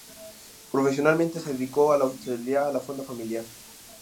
Profesionalmente se dedicó a la hostelería en la fonda familiar.